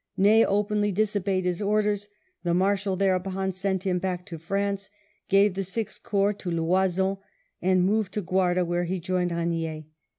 Ney openly dis obeyed his orders ; the Marshal thereupon sent him back to France, gave the Sixth Corps to Loison, and moved to Guarda where he joined Eegnier.